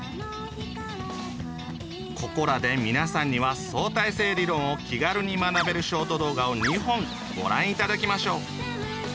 ここらで皆さんには相対性理論を気軽に学べるショート動画を２本ご覧頂きましょう。